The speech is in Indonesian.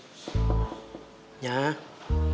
sampean maksinu hakim